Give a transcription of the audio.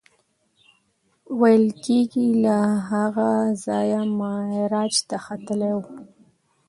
ویل کېږي له هغه ځایه معراج ته ختلی و.